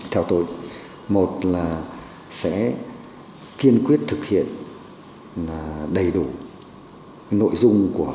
theo tôi một là sẽ kiên quyết thực hiện đầy đủ nội dung của